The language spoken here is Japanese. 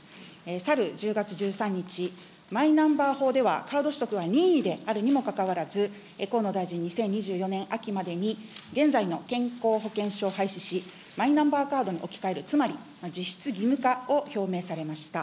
去る１０月１３日、マイナンバー法では、カード取得は任意であるにもかかわらず、河野大臣、２０２４年秋までに、現在の健康保険証を廃止し、マイナンバーカードに置き換える、つまり実質義務化を表明されました。